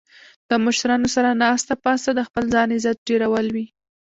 د مشرانو سره ناسته پاسته د خپل ځان عزت ډیرول وي